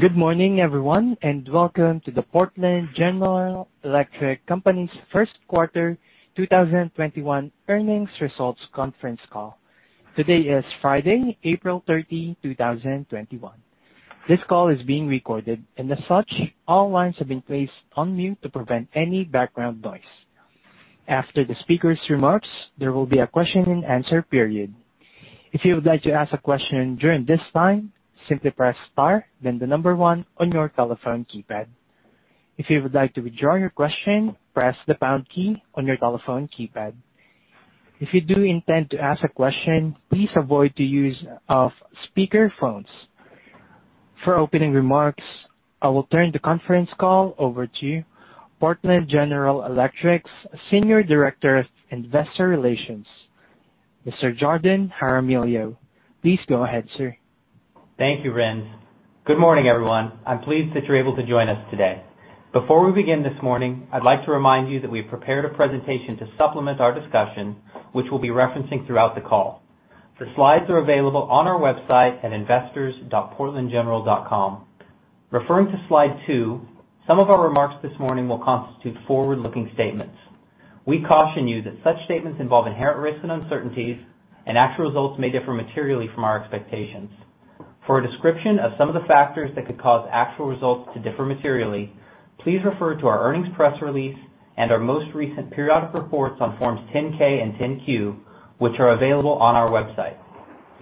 Good morning, everyone, and welcome to the Portland General Electric Company's first quarter 2021 earnings results conference call. Today is Friday, April 30, 2021. This call is being recorded, and as such, all lines have been placed on mute to prevent any background noise. After the speaker's remarks, there will be a question and answer period. If you would like to ask a question during this time, simply press star then the number one on your telephone keypad. If you would like to withdraw your question, press the pound key on your telephone keypad. If you do intend to ask a question, please avoid the use of speakerphones. For opening remarks, I will turn the conference call over to Portland General Electric's Senior Director of Investor Relations, Mr. Jardon Jaramillo. Please go ahead, sir. Thank you, Rin. Good morning, everyone. I'm pleased that you're able to join us today. Before we begin this morning, I'd like to remind you that we've prepared a presentation to supplement our discussion, which we'll be referencing throughout the call. The slides are available on our website at investors.portlandgeneral.com. Referring to slide two, some of our remarks this morning will constitute forward-looking statements. We caution you that such statements involve inherent risks and uncertainties, and actual results may differ materially from our expectations. For a description of some of the factors that could cause actual results to differ materially, please refer to our earnings press release and our most recent periodic reports on forms 10-K and 10-Q, which are available on our website.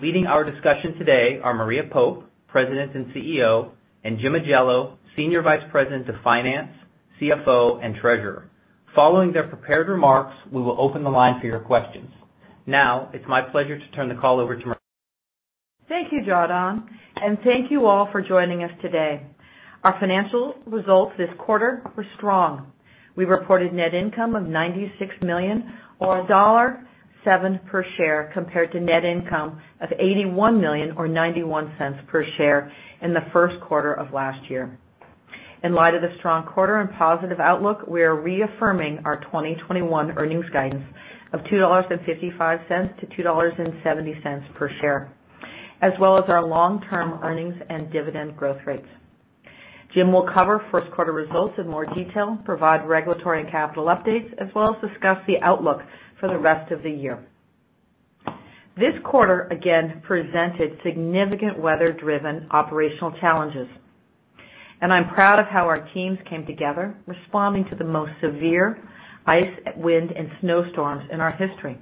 Leading our discussion today are Maria Pope, President and CEO, and Jim Ajello, Senior Vice President of Finance, CFO, and Treasurer. Following their prepared remarks, we will open the line for your questions. Now, it's my pleasure to turn the call over to Maria. Thank you, Jardon, and thank you all for joining us today. Our financial results this quarter were strong. We reported net income of $96 million or $1.07 per share, compared to net income of $81 million or $0.91 per share in the first quarter of last year. In light of the strong quarter and positive outlook, we are reaffirming our 2021 earnings guidance of $2.55-$2.70 per share, as well as our long-term earnings and dividend growth rates. Jim will cover first quarter results in more detail, provide regulatory and capital updates, as well as discuss the outlook for the rest of the year. This quarter, again, presented significant weather-driven operational challenges, and I'm proud of how our teams came together, responding to the most severe ice, wind, and snowstorms in our history,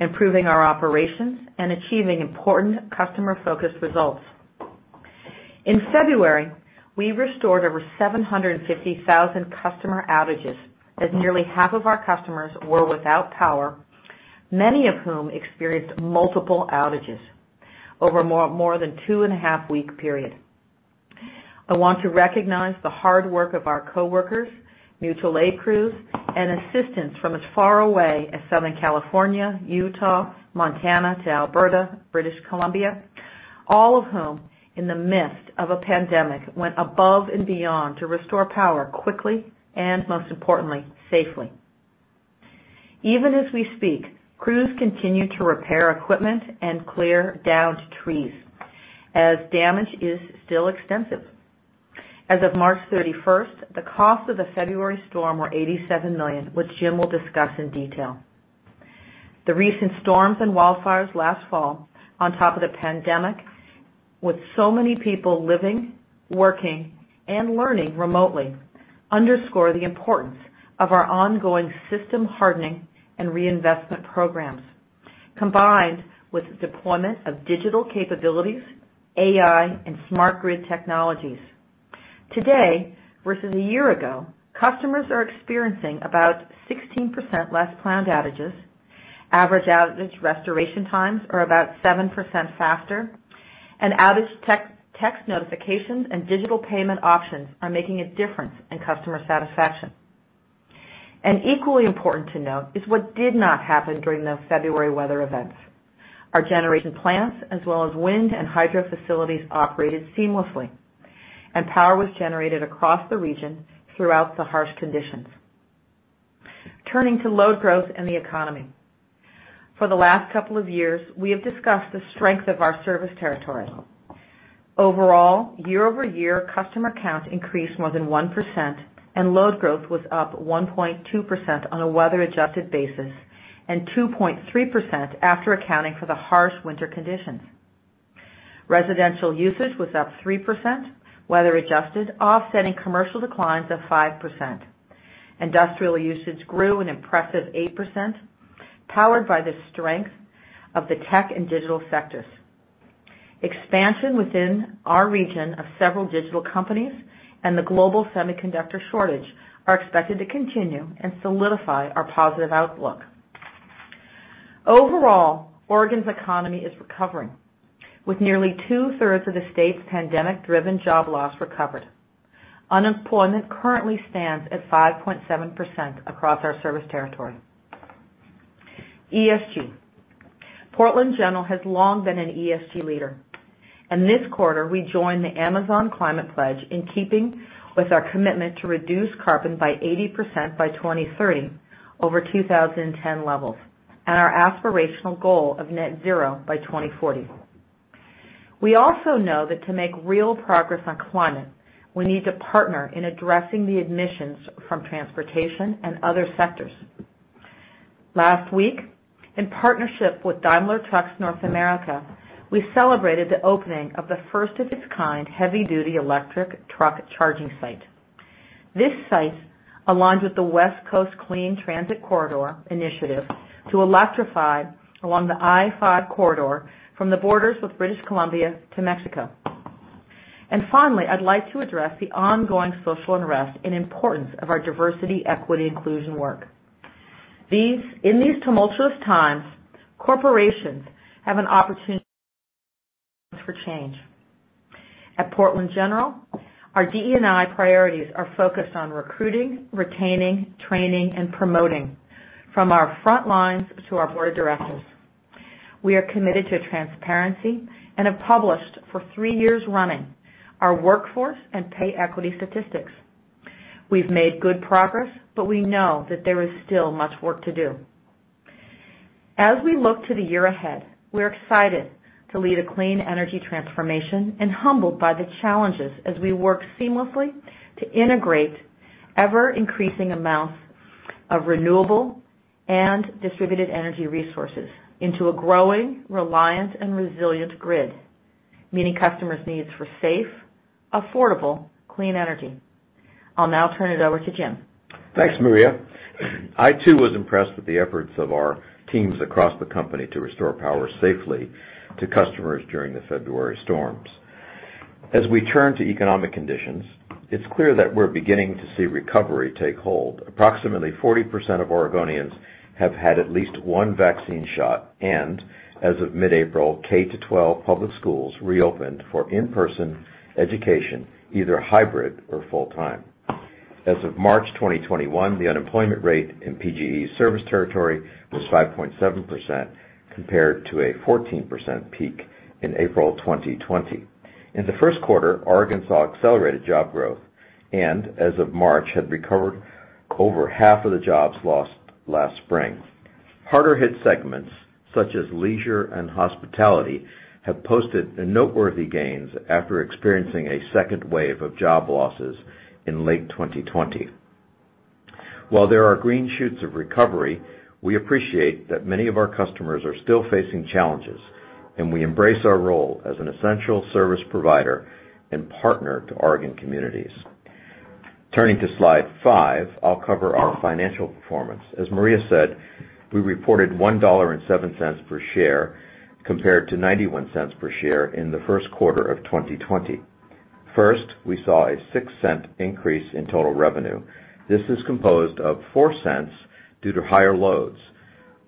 improving our operations and achieving important customer-focused results. In February, we restored over 750,000 customer outages, as nearly half of our customers were without power, many of whom experienced multiple outages over more than two-and-a-half week period. I want to recognize the hard work of our coworkers, mutual aid crews, and assistance from as far away as Southern California, Utah, Montana to Alberta, British Columbia, all of whom, in the midst of a pandemic, went above and beyond to restore power quickly and most importantly, safely. Even as we speak, crews continue to repair equipment and clear downed trees as damage is still extensive. As of March 31st, the cost of the February storm were $87 million, which Jim will discuss in detail. The recent storms and wildfires last fall, on top of the pandemic, with so many people living, working, and learning remotely, underscore the importance of our ongoing system hardening and reinvestment programs, combined with deployment of digital capabilities, AI, and smart grid technologies. Today, versus a year ago, customers are experiencing about 16% less planned outages, average outage restoration times are about 7% faster, Outage text notifications and digital payment options are making a difference in customer satisfaction. Equally important to note is what did not happen during those February weather events. Our generation plants, as well as wind and hydro facilities, operated seamlessly, Power was generated across the region throughout the harsh conditions. Turning to load growth and the economy. For the last couple of years, we have discussed the strength of our service territory. Overall, year-over-year customer count increased more than 1% and load growth was up 1.2% on a weather-adjusted basis and 2.3% after accounting for the harsh winter conditions. Residential usage was up 3%, weather-adjusted, offsetting commercial declines of 5%. Industrial usage grew an impressive 8%, powered by the strength of the tech and digital sectors. Expansion within our region of several digital companies and the global semiconductor shortage are expected to continue and solidify our positive outlook. Overall, Oregon's economy is recovering, with nearly two-thirds of the state's pandemic-driven job loss recovered. Unemployment currently stands at 5.7% across our service territory. ESG. Portland General Electric has long been an ESG leader. This quarter we joined The Climate Pledge in keeping with our commitment to reduce carbon by 80% by 2030 over 2010 levels. Our aspirational goal of net zero by 2040. We also know that to make real progress on climate, we need to partner in addressing the emissions from transportation and other sectors. Last week, in partnership with Daimler Truck North America, we celebrated the opening of the first of its kind heavy-duty electric truck charging site. This site aligns with the West Coast Clean Transit Corridor Initiative to electrify along the I-5 corridor from the borders of British Columbia to Mexico. Finally, I'd like to address the ongoing social unrest and importance of our diversity, equity, inclusion work. In these tumultuous times, corporations have an opportunity for change. At Portland General, our DE&I priorities are focused on recruiting, retaining, training, and promoting from our front lines to our board of directors. We are committed to transparency and have published, for three years running, our workforce and pay equity statistics. We've made good progress, but we know that there is still much work to do. As we look to the year ahead, we're excited to lead a clean energy transformation and humbled by the challenges as we work seamlessly to integrate ever-increasing amounts of renewable and distributed energy resources into a growing reliant and resilient grid, meeting customers' needs for safe, affordable, clean energy. I'll now turn it over to Jim. Thanks, Maria. I too was impressed with the efforts of our teams across the company to restore power safely to customers during the February storms. As we turn to economic conditions, it's clear that we're beginning to see recovery take hold. Approximately 40% of Oregonians have had at least one vaccine shot, and as of mid-April, K-12 public schools reopened for in-person education, either hybrid or full-time. As of March 2021, the unemployment rate in PGE service territory was 5.7%, compared to a 14% peak in April 2020. In the first quarter, Oregon saw accelerated job growth, and as of March, had recovered over half of the jobs lost last spring. Harder hit segments such as leisure and hospitality have posted noteworthy gains after experiencing a second wave of job losses in late 2020. While there are green shoots of recovery, we appreciate that many of our customers are still facing challenges, and we embrace our role as an essential service provider and partner to Oregon communities. Turning to slide five, I'll cover our financial performance. As Maria Pope said, we reported $1.7 per share compared to $0.91 per share in the first quarter of 2020. First, we saw a $0.06 increase in total revenue. This is composed of $0.04 due to higher loads,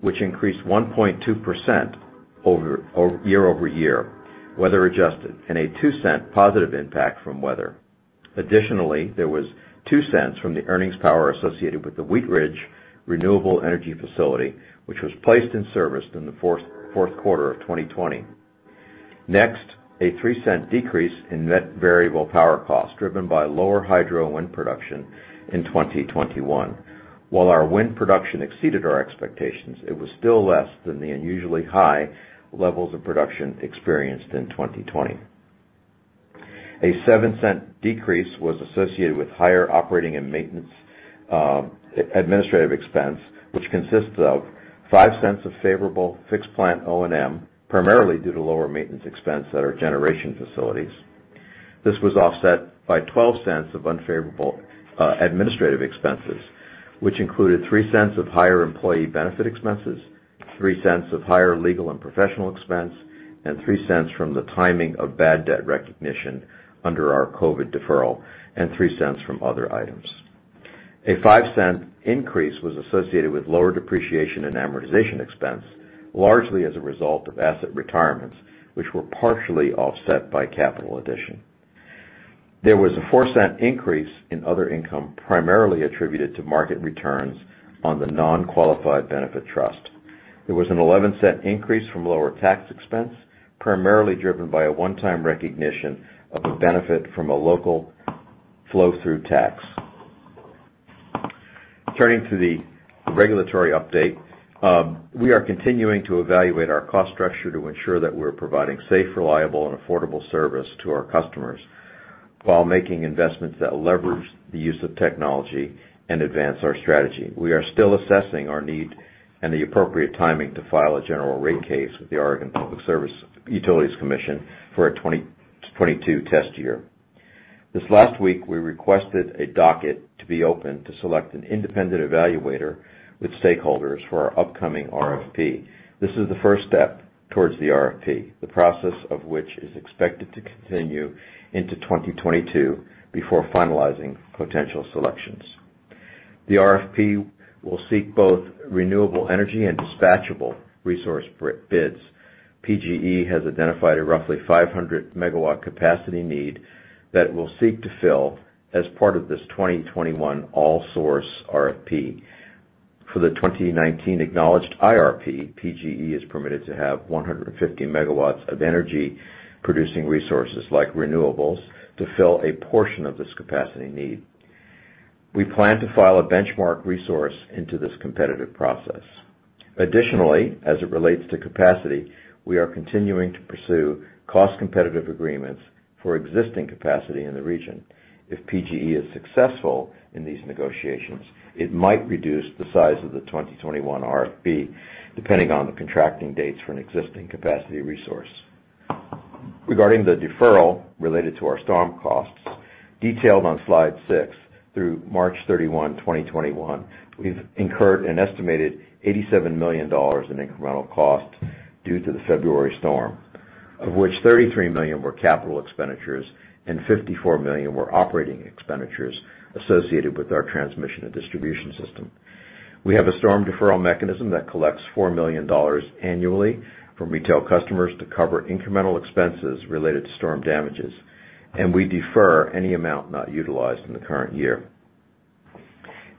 which increased 1.2% year-over-year, weather-adjusted, and a $0.02 positive impact from weather. Additionally, there was $0.02 from the earnings power associated with the Wheatridge Renewable Energy Facility, which was placed in service in the fourth quarter of 2020. Next, a $0.03 decrease in net variable power cost, driven by lower hydro and wind production in 2021. While our wind production exceeded our expectations, it was still less than the unusually high levels of production experienced in 2020. A $0.07 decrease was associated with higher operating and maintenance administrative expense, which consists of $0.05 of favorable fixed plant O&M, primarily due to lower maintenance expense at our generation facilities. This was offset by $0.12 of unfavorable administrative expenses, which included $0.03 of higher employee benefit expenses, $0.03 of higher legal and professional expense, and $0.03 from the timing of bad debt recognition under our COVID deferral, and $0.03 from other items. A $0.05 increase was associated with lower depreciation and amortization expense, largely as a result of asset retirements, which were partially offset by capital addition. There was a $0.04 increase in other income, primarily attributed to market returns on the non-qualified benefit trust. There was an $0.11 increase from lower tax expense, primarily driven by a one-time recognition of a benefit from a local flow-through tax. Turning to the regulatory update. We are continuing to evaluate our cost structure to ensure that we're providing safe, reliable, and affordable service to our customers while making investments that leverage the use of technology and advance our strategy. We are still assessing our need and the appropriate timing to file a general rate case with the Oregon Public Utility Commission for a 2022 test year. This last week, we requested a docket to be open to select an independent evaluator with stakeholders for our upcoming RFP. This is the first step towards the RFP, the process of which is expected to continue into 2022 before finalizing potential selections. The RFP will seek both renewable energy and dispatchable resource bids. PGE has identified a roughly 500MW capacity need that will seek to fill as part of this 2021 all-source RFP. For the 2019 acknowledged IRP, PGE is permitted to have 150 MW of energy-producing resources like renewables to fill a portion of this capacity need. We plan to file a benchmark resource into this competitive process. Additionally, as it relates to capacity, we are continuing to pursue cost-competitive agreements for existing capacity in the region. If PGE is successful in these negotiations, it might reduce the size of the 2021 RFP, depending on the contracting dates for an existing capacity resource. Regarding the deferral related to our storm costs, detailed on slide six, through March 31, 2021, we've incurred an estimated $87 million in incremental costs due to the February storm, of which $33 million were capital expenditures and $54 million were operating expenditures associated with our transmission and distribution system. We have a storm deferral mechanism that collects $4 million annually from retail customers to cover incremental expenses related to storm damages, and we defer any amount not utilized in the current year.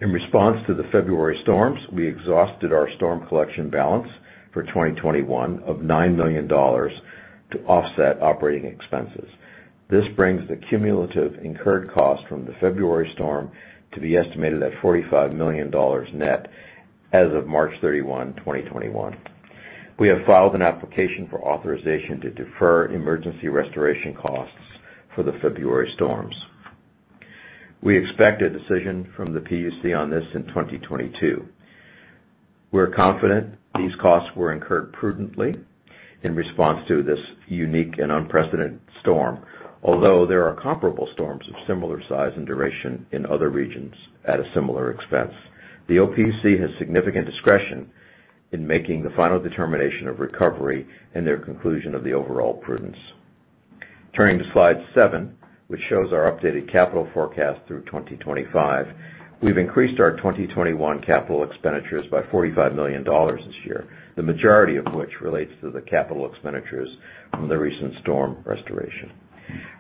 In response to the February storms, we exhausted our storm collection balance for 2021 of $9 million to offset operating expenses. This brings the cumulative incurred cost from the February storm to be estimated at $45 million net as of March 31, 2021. We have filed an application for authorization to defer emergency restoration costs for the February storms. We expect a decision from the OPUC on this in 2022. We're confident these costs were incurred prudently in response to this unique and unprecedented storm, although there are comparable storms of similar size and duration in other regions at a similar expense. The OPUC has significant discretion in making the final determination of recovery and their conclusion of the overall prudence. Turning to slide seven, which shows our updated capital forecast through 2025. We've increased our 2021 capital expenditures by $45 million this year, the majority of which relates to the capital expenditures from the recent storm restoration.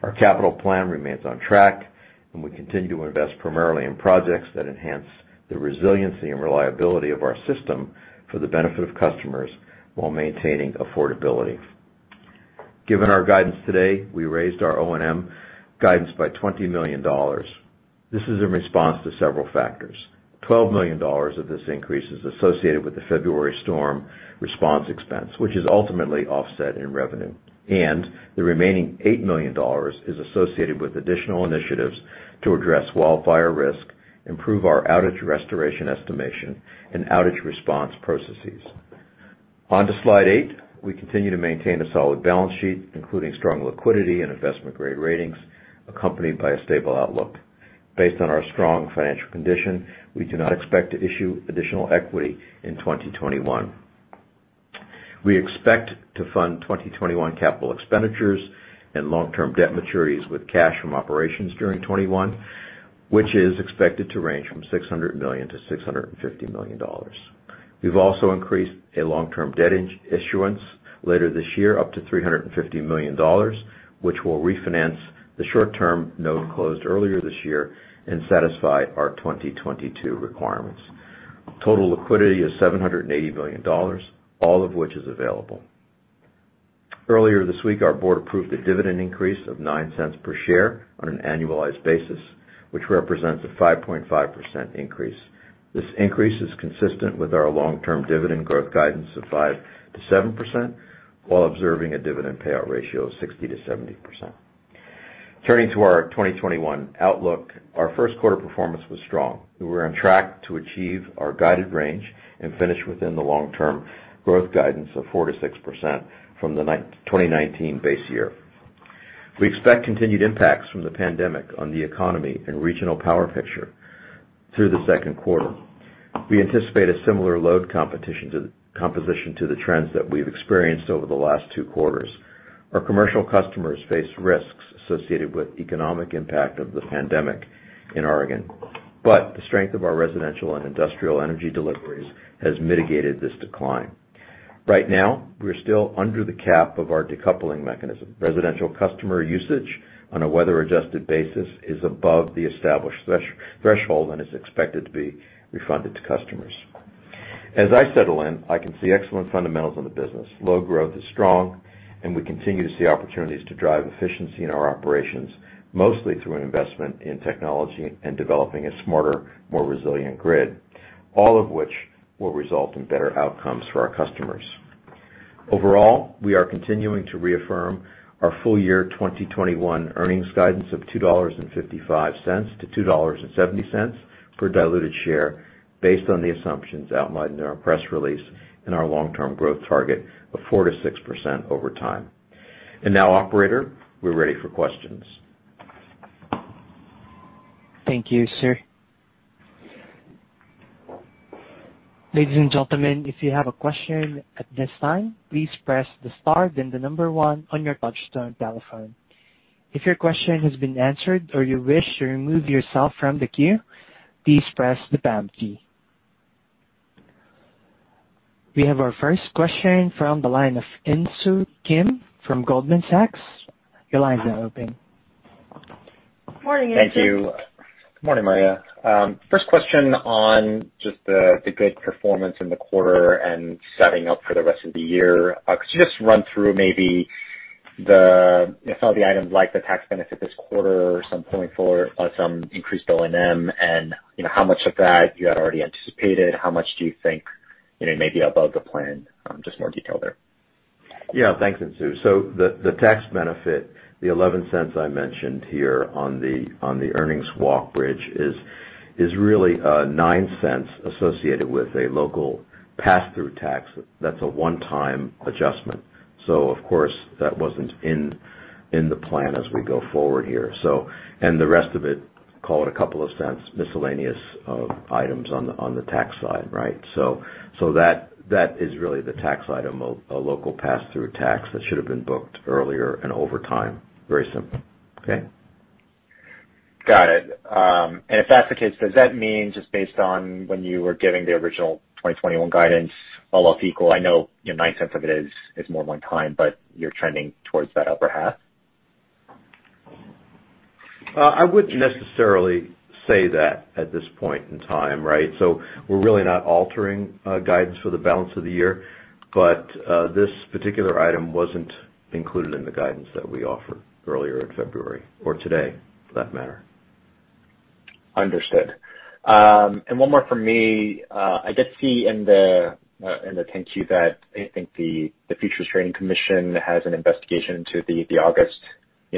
Our capital plan remains on track, we continue to invest primarily in projects that enhance the resiliency and reliability of our system for the benefit of customers while maintaining affordability. Given our guidance today, we raised our O&M guidance by $20 million. This is in response to several factors. $12 million of this increase is associated with the February storm response expense, which is ultimately offset in revenue, and the remaining $8 million is associated with additional initiatives to address wildfire risk, improve our outage restoration estimation, and outage response processes. On to slide eight. We continue to maintain a solid balance sheet, including strong liquidity and investment-grade ratings, accompanied by a stable outlook. Based on our strong financial condition, we do not expect to issue additional equity in 2021. We expect to fund 2021 capital expenditures and long-term debt maturities with cash from operations during 2021, which is expected to range from $600 million-$650 million. We've also increased a long-term debt issuance later this year up to $350 million, which will refinance the short-term note closed earlier this year and satisfy our 2022 requirements. Total liquidity is $780 million, all of which is available. Earlier this week, our board approved a dividend increase of $0.09 per share on an annualized basis, which represents a 5.5% increase. This increase is consistent with our long-term dividend growth guidance of 5%-7% while observing a dividend payout ratio of 60%-70%. Turning to our 2021 outlook, our first quarter performance was strong. We were on track to achieve our guided range and finish within the long-term growth guidance of 4%-6% from the 2019 base year. We expect continued impacts from the pandemic on the economy and regional power picture through the second quarter. We anticipate a similar load composition to the trends that we've experienced over the last two quarters. Our commercial customers face risks associated with economic impact of the pandemic in Oregon, but the strength of our residential and industrial energy deliveries has mitigated this decline. Right now, we're still under the cap of our decoupling mechanism. Residential customer usage on a weather-adjusted basis is above the established threshold and is expected to be refunded to customers. As I settle in, I can see excellent fundamentals in the business. Load growth is strong, and we continue to see opportunities to drive efficiency in our operations, mostly through an investment in technology and developing a smarter, more resilient grid, all of which will result in better outcomes for our customers. Overall, we are continuing to reaffirm our full year 2021 earnings guidance of $2.55-$2.70 per diluted share based on the assumptions outlined in our press release and our long-term growth target of 4%-6% over time. Now, operator, we're ready for questions. Thank you, sir. Ladies and gentlemen, if you have a question at this time, please press the star then the number one on your touchtone telephone. If your question has been answered or you wish to remove yourself from the queue, please press the pound key. We have our first question from the line of Insoo Kim from Goldman Sachs. Your line is now open. Morning, Insoo. Thank you. Good morning, Maria. First question on just the good performance in the quarter and setting up for the rest of the year. Could you just run through maybe some of the items like the tax benefit this quarter, some increased O&M, and how much of that you had already anticipated, how much do you think may be above the plan? Just more detail there. Yeah. Thanks, Insoo. The tax benefit, the $0.11 I mentioned here on the earnings walk bridge is really $0.09 associated with a local pass-through tax. That's a one-time adjustment. Of course, that wasn't in the plan as we go forward here. The rest of it, call it a couple of cents, miscellaneous items on the tax side. Right? That is really the tax item, a local pass-through tax that should've been booked earlier and over time. Very simple. Okay? Got it. If that's the case, does that mean just based on when you were giving the original 2021 guidance, all else equal, I know nine-tenths of it is more one time, but you're trending towards that upper half? I wouldn't necessarily say that at this point in time, right? We're really not altering guidance for the balance of the year, but this particular item wasn't included in the guidance that we offered earlier in February or today for that matter. Understood. One more from me. I did see in the 10-Q that I think the Futures Trading Commission has an investigation into the August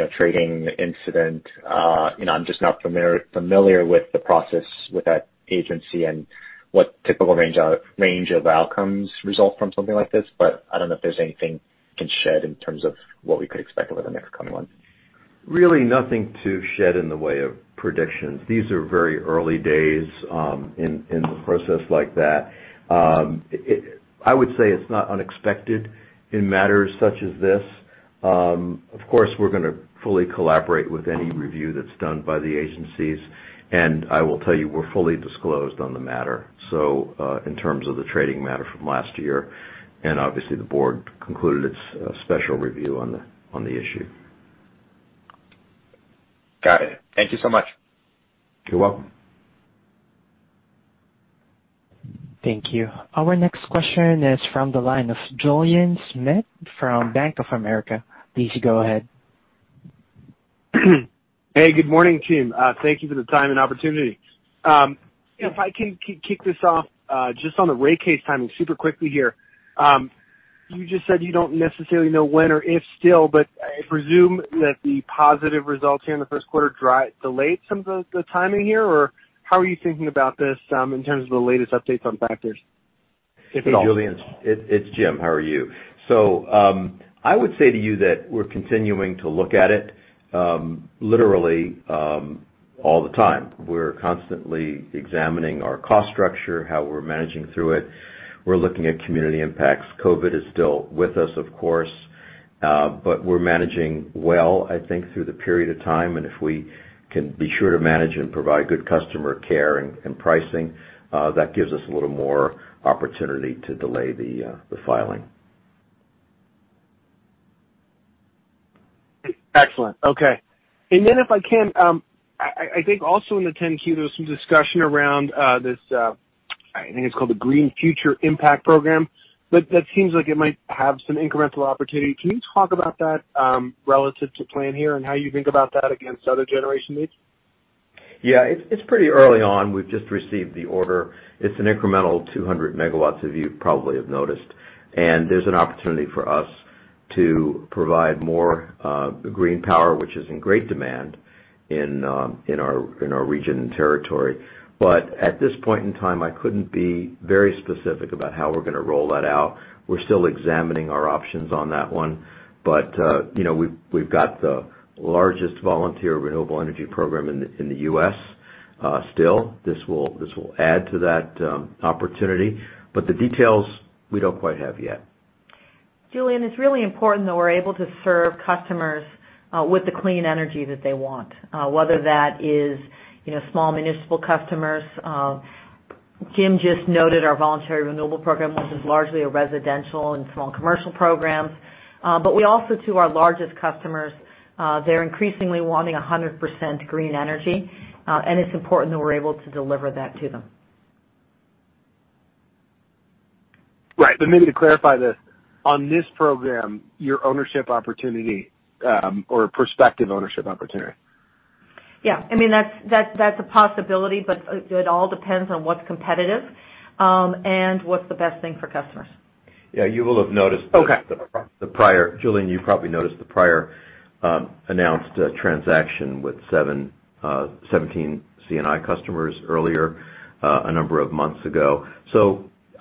trading incident. I'm just not familiar with the process with that agency and what typical range of outcomes result from something like this. I don't know if there's anything you can shed in terms of what we could expect over the next coming months. Really nothing to shed in the way of predictions. These are very early days in the process like that. I would say it's not unexpected in matters such as this. Of course, we're going to fully collaborate with any review that's done by the agencies, and I will tell you we're fully disclosed on the matter, so in terms of the trading matter from last year, and obviously the board concluded its special review on the issue. Got it. Thank you so much. You're welcome. Thank you. Our next question is from the line of Julien Dumoulin-Smith from Bank of America. Please go ahead. Hey, good morning, team. Thank you for the time and opportunity. If I can kick this off, just on the rate case timing super quickly here. You just said you don't necessarily know when or if still, but I presume that the positive results here in the first quarter delayed some of the timing here, or how are you thinking about this in terms of the latest updates on factors? If at all. Hey, Julien. It's Jim. How are you? I would say to you that we're continuing to look at it literally all the time. We're constantly examining our cost structure, how we're managing through it. We're looking at community impacts. COVID is still with us, of course, but we're managing well, I think, through the period of time, if we can be sure to manage and provide good customer care and pricing, that gives us a little more opportunity to delay the filing. Excellent. Okay. If I can, I think also in the 10-Q, there was some discussion around this, I think it's called the Green Future Impact program. That seems like it might have some incremental opportunity. Can you talk about that relative to plan here and how you think about that against other generation needs? Yeah. It's pretty early on. We've just received the order. It's an incremental 200 MWs as you probably have noticed, and there's an opportunity for us to provide more green power, which is in great demand in our region and territory. At this point in time, I couldn't be very specific about how we're going to roll that out. We're still examining our options on that one. We've got the largest volunteer renewable energy program in the U.S. still. This will add to that opportunity, but the details we don't quite have yet. Julien, it's really important that we're able to serve customers with the clean energy that they want, whether that is small municipal customers. Jim just noted our voluntary renewable program, which is largely a residential and small commercial program. We also, to our largest customers, they're increasingly wanting 100% green energy, and it's important that we're able to deliver that to them. Maybe to clarify this, on this program, your ownership opportunity or prospective ownership opportunity. Yeah. That's a possibility, but it all depends on what's competitive and what's the best thing for customers. Yeah. Julien, you probably noticed the prior announced transaction with 17 C&I customers earlier a number of months ago.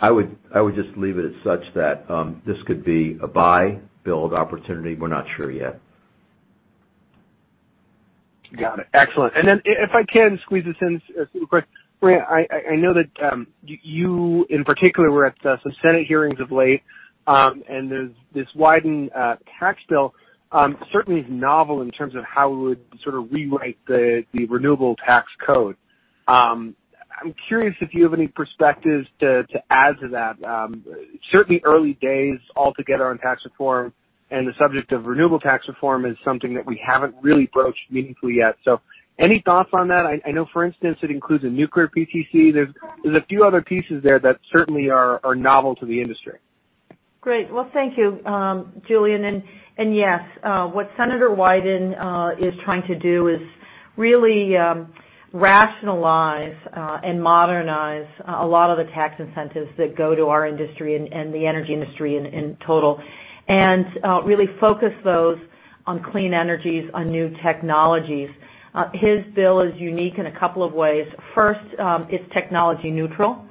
I would just leave it as such that this could be a buy build opportunity. We're not sure yet. Got it. Excellent. If I can squeeze this in super quick. Maria, I know that you in particular were at some Senate hearings of late, and there's this Wyden tax bill certainly is novel in terms of how we would sort of rewrite the renewable tax code. I'm curious if you have any perspectives to add to that. Certainly early days altogether on tax reform and the subject of renewable tax reform is something that we haven't really broached meaningfully yet. Any thoughts on that? I know, for instance, it includes a nuclear PTC. There's a few other pieces there that certainly are novel to the industry. Great. Well, thank you, Julien. Yes, what Senator Wyden is trying to do is really rationalize and modernize a lot of the tax incentives that go to our industry and the energy industry in total, and really focus those on clean energies, on new technologies. His bill is unique in a couple of ways. First, it's technology neutral.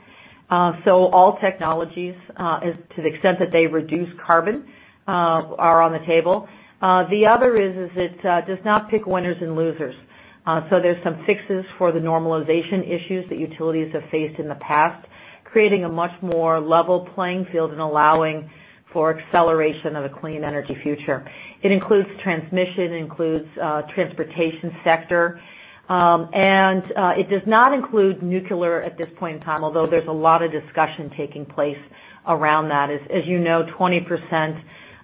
All technologies, to the extent that they reduce carbon, are on the table. The other is it does not pick winners and losers. There's some fixes for the normalization issues that utilities have faced in the past, creating a much more level playing field and allowing for acceleration of a clean energy future. It includes transmission, it includes transportation sector. It does not include nuclear at this point in time, although there's a lot of discussion taking place around that. As you know, 20%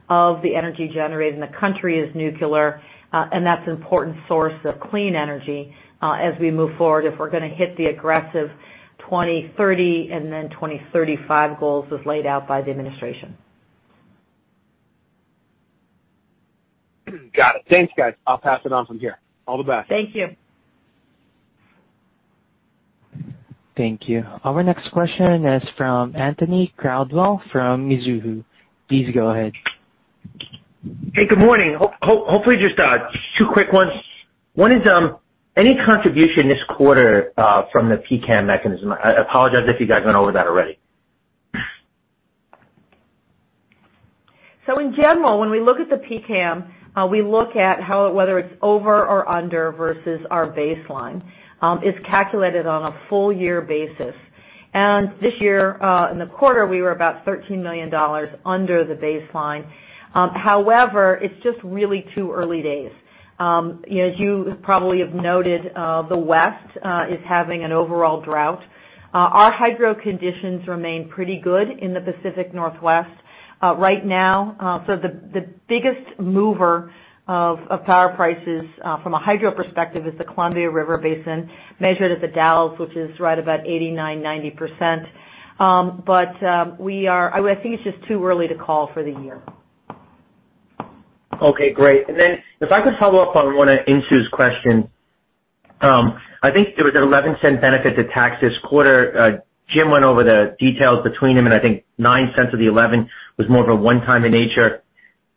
of the energy generated in the country is nuclear, and that's an important source of clean energy as we move forward if we're going to hit the aggressive 2030 and then 2035 goals as laid out by the administration. Got it. Thanks, guys. I will pass it on from here. All the best. Thank you. Thank you. Our next question is from Anthony Crowdell from Mizuho. Please go ahead. Hey, good morning. Hopefully just two quick ones. One is, any contribution this quarter from the PCAM mechanism? I apologize if you guys went over that already. In general, when we look at the PCAM, we look at whether it's over or under versus our baseline. It's calculated on a full year basis. This year in the quarter, we were about $13 million under the baseline. It's just really too early days. As you probably have noted, the West is having an overall drought. Our hydro conditions remain pretty good in the Pacific Northwest right now. The biggest mover of power prices from a hydro perspective is the Columbia River Basin, measured at The Dalles, which is right about 89%, 90%. I think it's just too early to call for the year. Okay, great. If I could follow up on one of Insoo's question. I think there was an $0.11 benefit to tax this quarter. Jim went over the details between them. I think $0.09 of the $0.11 was more of a one-time in nature.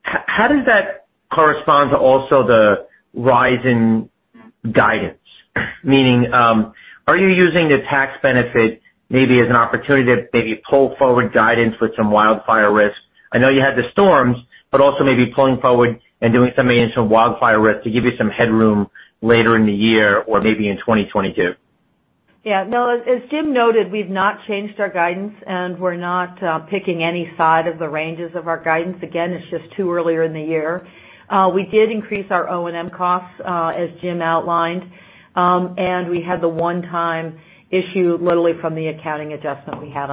How does that correspond to also the rise in guidance? Meaning, are you using the tax benefit maybe as an opportunity to maybe pull forward guidance with some wildfire risks? I know you had the storms, also maybe pulling forward and doing something in some wildfire risk to give you some headroom later in the year or maybe in 2022? Yeah, no, as Jim noted, we've not changed our guidance and we're not picking any side of the ranges of our guidance. It's just too early in the year. We did increase our O&M costs, as Jim outlined. We had the one-time issue literally from the accounting adjustment we had.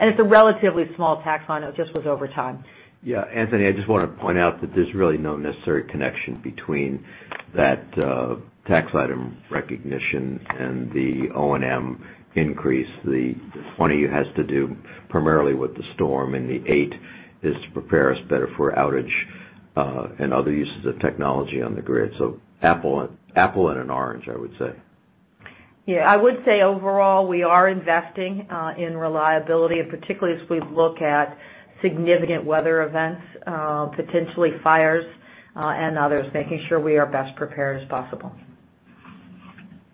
It's a relatively small tax on it. It just was overtime. Yeah. Anthony, I just want to point out that there's really no necessary connection between that tax item recognition and the O&M increase. The 20 has to do primarily with the storm, and the eight is to prepare us better for outage and other uses of technology on the grid. Apple and an orange, I would say. Yeah. I would say overall, we are investing in reliability, and particularly as we look at significant weather events, potentially fires, and others, making sure we are best prepared as possible.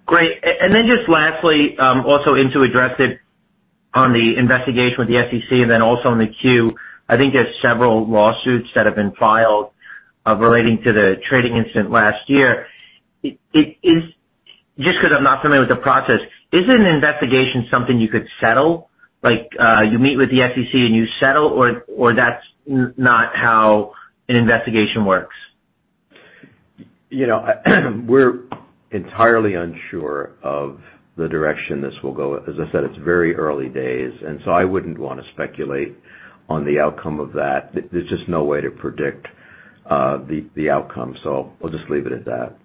Great. Just lastly, also Insoo addressed it on the investigation with the SEC and then also in the 10-Q, I think there's several lawsuits that have been filed relating to the trading incident last year. Just because I'm not familiar with the process, isn't an investigation something you could settle? Like, you meet with the SEC and you settle, or that's not how an investigation works? We're entirely unsure of the direction this will go. As I said, it's very early days, and so I wouldn't want to speculate on the outcome of that. There's just no way to predict the outcome. I'll just leave it at that.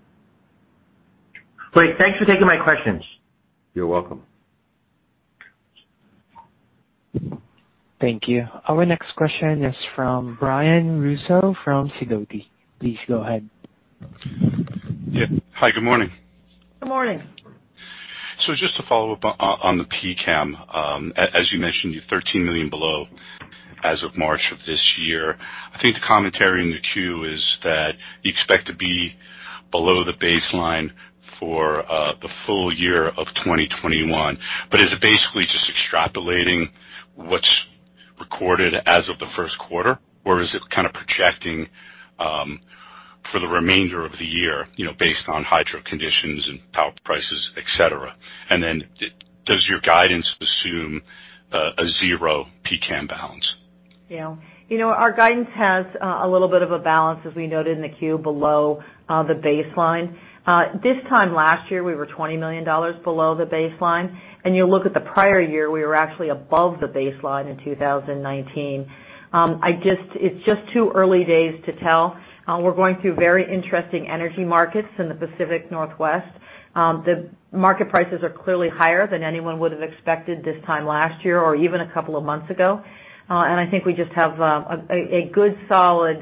Great. Thanks for taking my questions. You're welcome. Thank you. Our next question is from Brian Russo from Sidoti. Please go ahead. Yeah. Hi, good morning. Good morning. Just to follow up on the PCAM, as you mentioned, you're $13 million below as of March of this year. I think the commentary in the 10-Q is that you expect to be below the baseline for the full year of 2021. Is it basically just extrapolating what's recorded as of the first quarter, or is it kind of projecting for the remainder of the year based on hydro conditions and power prices, et cetera? Does your guidance assume a zero PCAM balance? Yeah. Our guidance has a little bit of a balance, as we noted in the 10-Q, below the baseline. This time last year, we were $20 million below the baseline. You look at the prior year, we were actually above the baseline in 2019. It's just too early days to tell. We're going through very interesting energy markets in the Pacific Northwest. The market prices are clearly higher than anyone would have expected this time last year or even a couple of months ago. I think we just have a good solid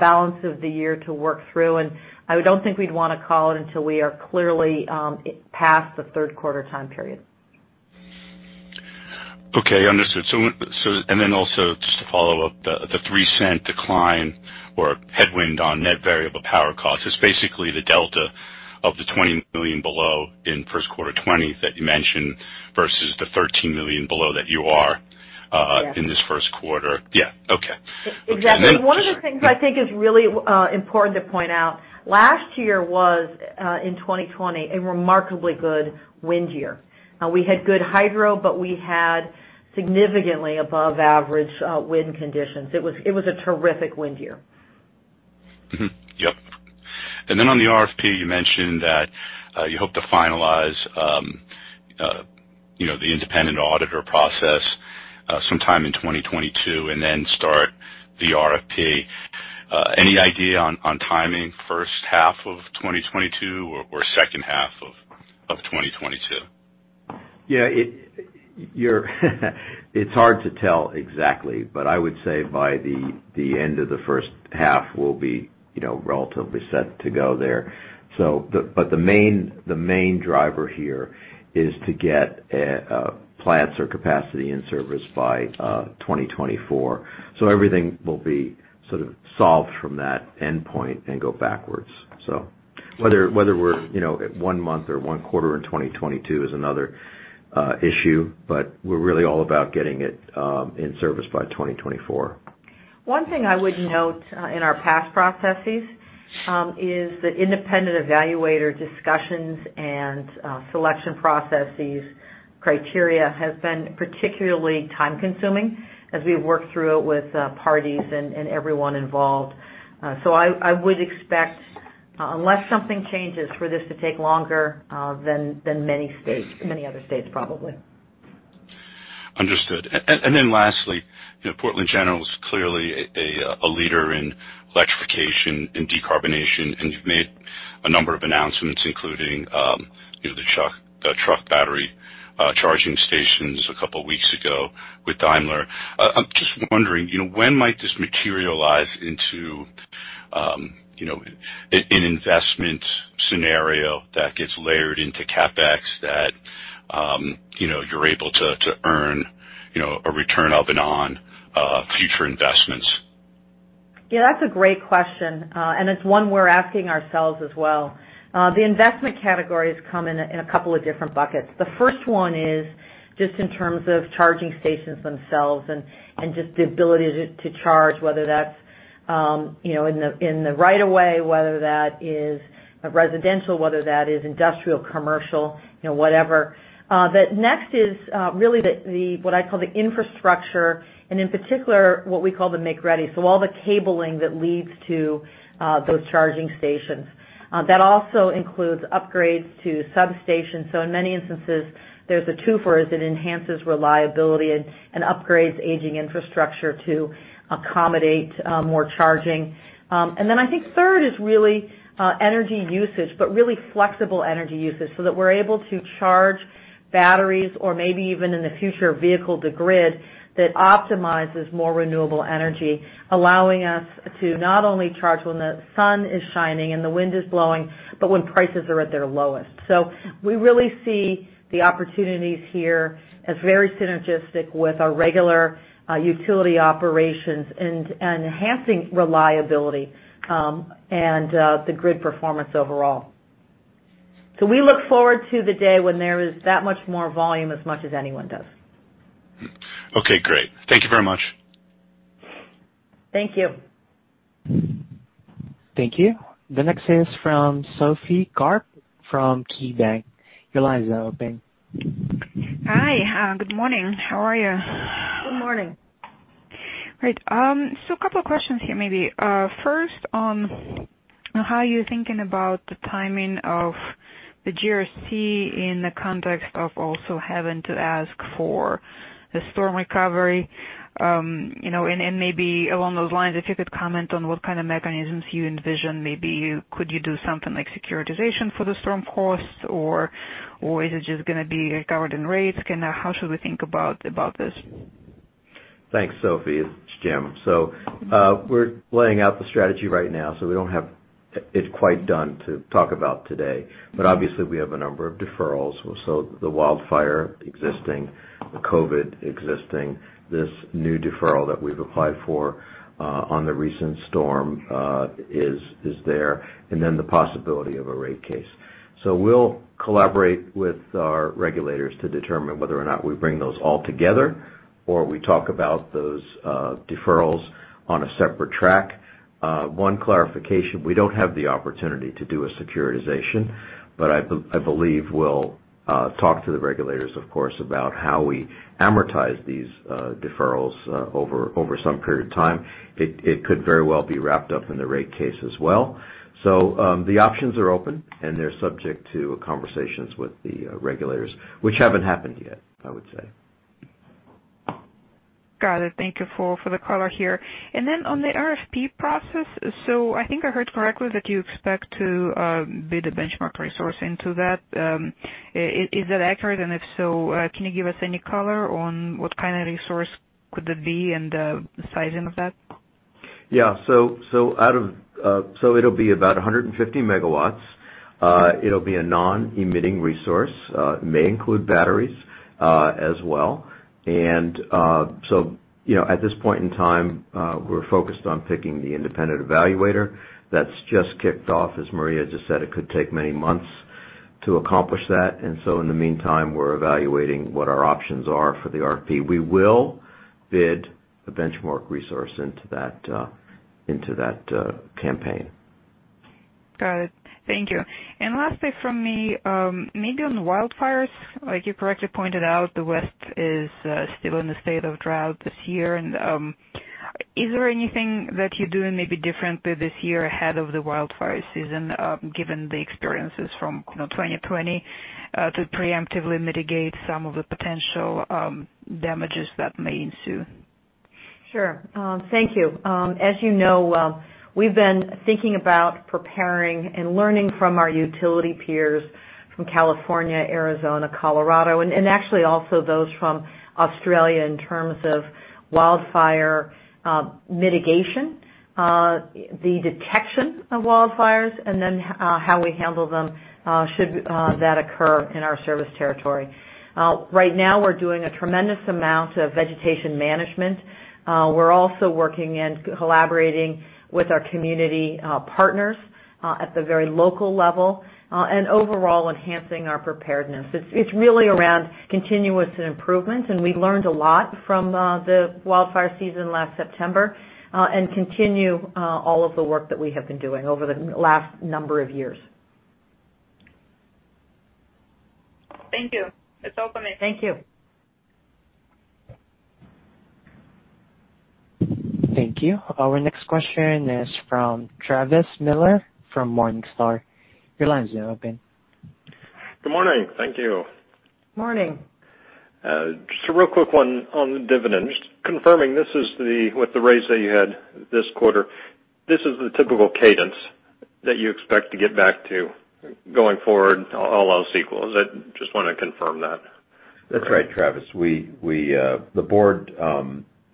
balance of the year to work through, and I don't think we'd want to call it until we are clearly past the third quarter time period. Okay. Understood. Just to follow up, the $0.03 decline or headwind on net variable power cost is basically the delta of the $20 million below in first quarter 2020 that you mentioned versus the $13 million below that you are. Yes in this first quarter. Yeah. Okay. Exactly. One of the things I think is really important to point out, last year was, in 2020, a remarkably good wind year. We had good hydro, but we had significantly above average wind conditions. It was a terrific wind year. Mm-hmm. Yep. On the RFP, you mentioned that you hope to finalize the independent auditor process sometime in 2022 and then start the RFP. Any idea on timing, first half of 2022 or second half of 2022? Yeah. It's hard to tell exactly, but I would say by the end of the first half we'll be relatively set to go there. The main driver here is to get plants or capacity in service by 2024. Everything will be sort of solved from that endpoint and go backwards. Whether we're at one month or one quarter in 2022 is another issue, but we're really all about getting it in service by 2024. One thing I would note in our past processes is the independent evaluator discussions and selection processes criteria has been particularly time-consuming as we work through it with parties and everyone involved. I would expect, unless something changes, for this to take longer than many other states, probably. Understood. Then lastly, Portland General is clearly a leader in electrification and decarbonation, and you've made a number of announcements, including the truck battery charging stations a couple of weeks ago with Daimler. I'm just wondering, when might this materialize into an investment scenario that gets layered into CapEx that you're able to earn a return of and on future investments? Yeah, that's a great question, and it's one we're asking ourselves as well. The investment categories come in a couple of different buckets. The first one is just in terms of charging stations themselves and just the ability to charge, whether that's in the right of way, whether that is residential, whether that is industrial, commercial, whatever. The next is really what I call the infrastructure, and in particular, what we call the make-ready. All the cabling that leads to those charging stations. That also includes upgrades to substations. In many instances, there's a twofer as it enhances reliability and upgrades aging infrastructure to accommodate more charging. I think third is really energy usage, but really flexible energy usage so that we're able to charge batteries or maybe even in the future vehicle-to-grid that optimizes more renewable energy, allowing us to not only charge when the sun is shining and the wind is blowing, but when prices are at their lowest. We really see the opportunities here as very synergistic with our regular utility operations and enhancing reliability, and the grid performance overall. We look forward to the day when there is that much more volume as much as anyone does. Okay, great. Thank you very much. Thank you. Thank you. The next is from Sophie Karp from KeyBank. Your line is open. Hi. Good morning. How are you? Good morning. Great. A couple of questions here, maybe. First on how you're thinking about the timing of the GRC in the context of also having to ask for the storm recovery. Maybe along those lines, if you could comment on what kind of mechanisms you envision. Maybe could you do something like securitization for the storm costs, or is it just going to be covered in rates? How should we think about this? Thanks, Sophie. It's Jim. We're laying out the strategy right now, so we don't have it quite done to talk about today. Obviously we have a number of deferrals. The wildfire existing, the COVID existing, this new deferral that we've applied for on the recent storm is there, and then the possibility of a rate case. We'll collaborate with our regulators to determine whether or not we bring those all together or we talk about those deferrals on a separate track. One clarification, we don't have the opportunity to do a securitization, but I believe we'll talk to the regulators, of course, about how we amortize these deferrals over some period of time. It could very well be wrapped up in the rate case as well. The options are open, and they're subject to conversations with the regulators, which haven't happened yet, I would say. Got it. Thank you for the color here. On the RFP process, I think I heard correctly that you expect to bid a benchmark resource into that. Is that accurate? If so, can you give us any color on what kind of resource could that be and the sizing of that? Yeah. It'll be about 150 MWs. It'll be a non-emitting resource, may include batteries as well. At this point in time, we're focused on picking the independent evaluator that's just kicked off. As Maria just said, it could take many months to accomplish that. In the meantime, we're evaluating what our options are for the RFP. We will bid a benchmark resource into that campaign. Got it. Thank you. Lastly from me, maybe on the wildfires, like you correctly pointed out, the West is still in a state of drought this year. Is there anything that you're doing maybe differently this year ahead of the wildfire season, given the experiences from 2020, to preemptively mitigate some of the potential damages that may ensue? Sure. Thank you. As you know, we've been thinking about preparing and learning from our utility peers from California, Arizona, Colorado, and actually also those from Australia in terms of wildfire mitigation, the detection of wildfires, and then how we handle them should that occur in our service territory. Right now, we're doing a tremendous amount of vegetation management. We're also working and collaborating with our community partners at the very local level, and overall enhancing our preparedness. It's really around continuous improvement, and we learned a lot from the wildfire season last September, and continue all of the work that we have been doing over the last number of years. Thank you. That's all for me. Thank you. Thank you. Our next question is from Travis Miller from Morningstar. Your line is now open. Good morning. Thank you. Morning. Just a real quick one on the dividend. Just confirming, with the raise that you had this quarter, this is the typical cadence that you expect to get back to going forward all else equal. I just want to confirm that. That's right, Travis. The board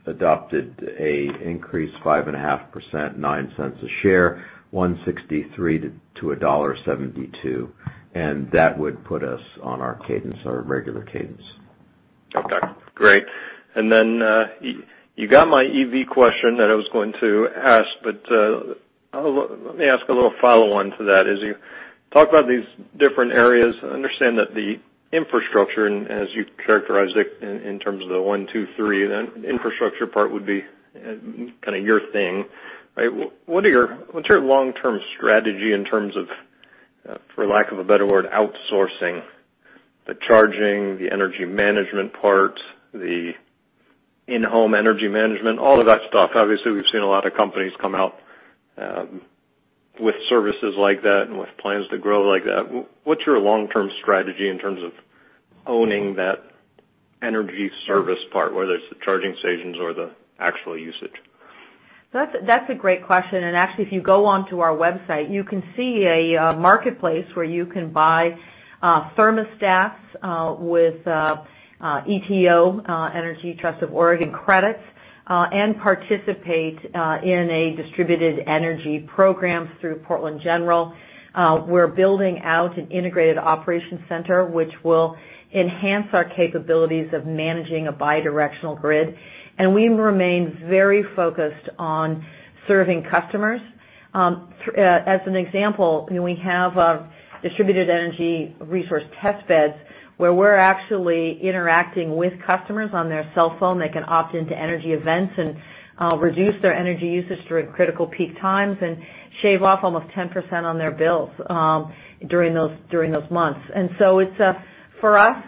adopted an increased 5.5%, $0.09 a share, $1.63-$1.72, and that would put us on our cadence, our regular cadence. Okay, great. Then, you got my EV question that I was going to ask, but let me ask a little follow-on to that. As you talk about these different areas, I understand that the infrastructure, and as you characterized it in terms of the one, two, three, the infrastructure part would be kind of your thing, right? What's your long-term strategy in terms of, for lack of a better word, outsourcing the charging, the energy management part, the in-home energy management, all of that stuff? Obviously, we've seen a lot of companies come out with services like that and with plans to grow like that. What's your long-term strategy in terms of owning that energy service part, whether it's the charging stations or the actual usage? That's a great question. Actually if you go onto our website, you can see a marketplace where you can buy thermostats with ETO, Energy Trust of Oregon credits, and participate in a distributed energy program through Portland General. We're building out an integrated operation center, which will enhance our capabilities of managing a bi-directional grid. We remain very focused on serving customers. As an example, we have a distributed energy resource test beds where we're actually interacting with customers on their cell phone. They can opt into energy events and reduce their energy usage during critical peak times and shave off almost 10% on their bills during those months. For us,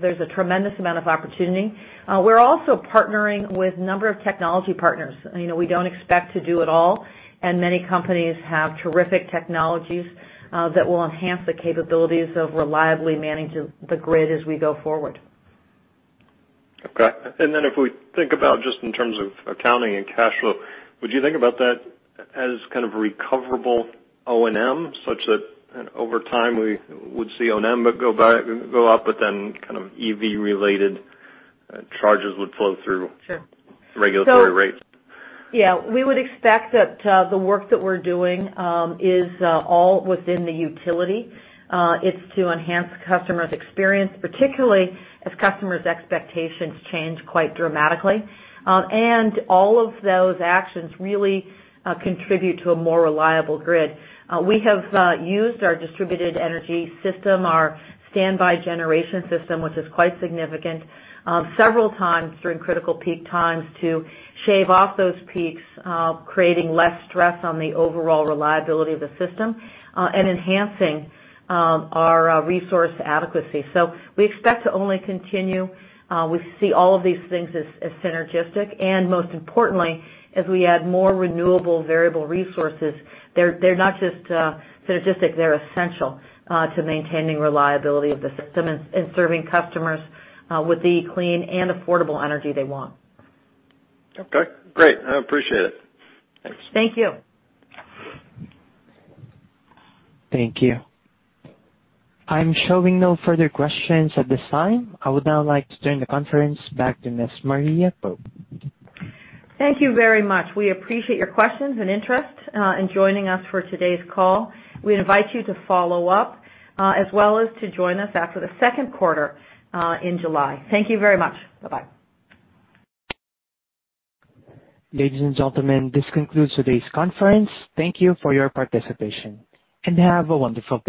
there's a tremendous amount of opportunity. We're also partnering with a number of technology partners. We don't expect to do it all, and many companies have terrific technologies that will enhance the capabilities of reliably managing the grid as we go forward. Okay. If we think about just in terms of accounting and cash flow, would you think about that as kind of recoverable O&M, such that over time we would see O&M go up, but then kind of EV-related charges would flow through? Sure regulatory rates? Yeah. We would expect that the work that we're doing is all within the utility. It's to enhance customers' experience, particularly as customers' expectations change quite dramatically. All of those actions really contribute to a more reliable grid. We have used our distributed energy system, our standby generation system, which is quite significant, several times during critical peak times to shave off those peaks, creating less stress on the overall reliability of the system, and enhancing our resource adequacy. We expect to only continue. We see all of these things as synergistic, and most importantly, as we add more renewable variable resources, they're not just synergistic, they're essential to maintaining reliability of the system and serving customers with the clean and affordable energy they want. Okay, great. I appreciate it. Thanks. Thank you. Thank you. I'm showing no further questions at this time. I would now like to turn the conference back to Ms. Maria Pope. Thank you very much. We appreciate your questions and interest in joining us for today's call. We invite you to follow up, as well as to join us after the second quarter in July. Thank you very much. Bye-bye. Ladies and gentlemen, this concludes today's conference. Thank you for your participation, and have a wonderful day.